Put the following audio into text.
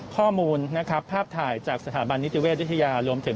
ข้อมูลนะครับภาพถ่ายจากสถาบันนิติเวชวิทยารวมถึง